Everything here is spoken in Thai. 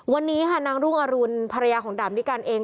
วันนี้ค่ะนางรุ่งอรุณภรรยาของดาบนิกัลเอง